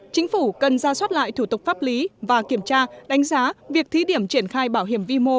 chính phủ cần ra soát lại thủ tục pháp lý và kiểm tra đánh giá việc thí điểm triển khai bảo hiểm vi mô